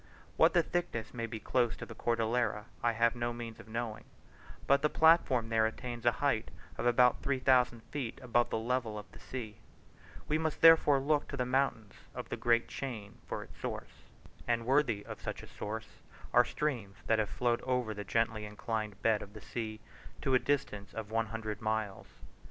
What the thickness may be close to the Cordillera, I have no means of knowing, but the platform there attains a height of about three thousand feet above the level of the sea; we must therefore look to the mountains of that great chain for its source; and worthy of such a source are streams that have flowed over the gently inclined bed of the sea to a distance of one hundred miles.